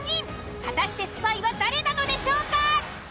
果たしてスパイは誰なのでしょうか？